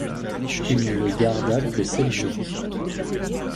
Il ne le garda que sept jours.